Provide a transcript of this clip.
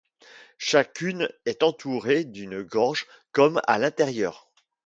Chacune est entourée d'une gorge, comme à l'intérieur.